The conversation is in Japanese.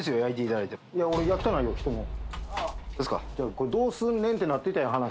これどうすんねんってなってたやん話。